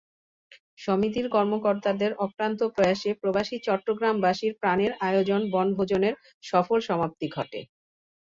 সমিতির কর্মকর্তাদের অক্লান্ত প্রয়াসে প্রবাসী চট্টগ্রামবাসীর প্রাণের আয়োজন বনভোজনের সফল সমাপ্তি ঘটে।